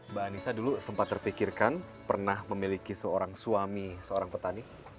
mbak anissa dulu sempat terpikirkan pernah memiliki seorang suami seorang petani